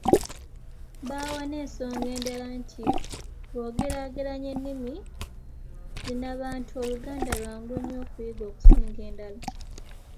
Baawa n'ensonga endala nti bwogeraageranya ennimi zinnabantu Oluganda lwangu nnyo okuyiga okusinga endala.